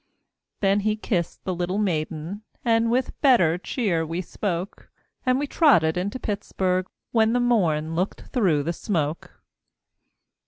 Then he kissed the little maiden, And with better cheer we spoke, And we trotted into Pittsburg, When the morn looked through the smoke.